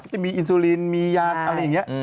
จะมีอินซูลินมียานอะไรอย่างนี้